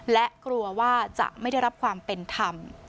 และกลัวว่าจะไม่ได้รับความเป็นธรรม